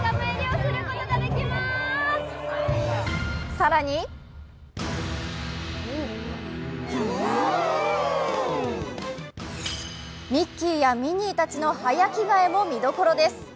更にミッキーやミニーたちの早着替えも見どころです。